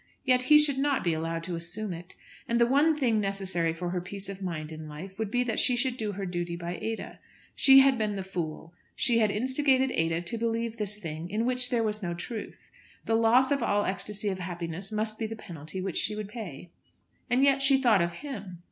Yet he should not be allowed to assume it. And the one thing necessary for her peace of mind in life would be that she should do her duty by Ada. She had been the fool. She had instigated Ada to believe this thing in which there was no truth. The loss of all ecstasy of happiness must be the penalty which she would pay. And yet she thought of him.